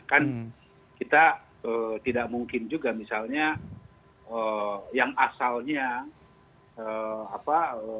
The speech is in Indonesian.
kan kita tidak mungkin juga misalnya yang asalnya apa